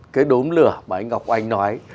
cái đốm lửa mà anh ngọc oanh nói